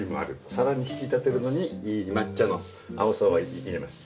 さらに引き立てるのに抹茶の青さを入れます。